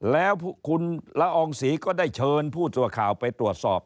แล้วคุณละอองศรีก็ได้เชิญผู้ตัวข่าวไปตรวจสอบ